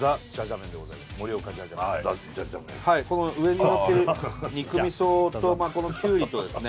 麺上にのってる肉味噌とキュウリとですね